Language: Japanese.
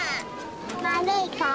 まるいかお！